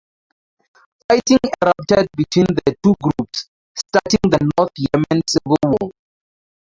Fighting erupted between the two groups, starting the North Yemen Civil War.